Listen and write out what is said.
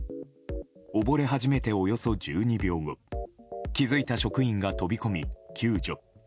溺れ始めておよそ１２秒後気づいた職員が飛び込み救助。